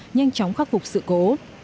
nhanh chóng khắc phục sự cố